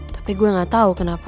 tapi gue gak tau kenapa